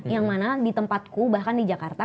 yang mana di tempatku bahkan di jakarta